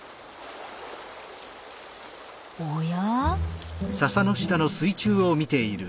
おや？